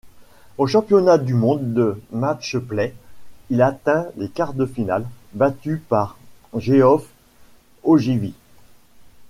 Au Championnat du monde de match-play, il atteint les quarts-de-finale, battu par Geoff Ogilvy.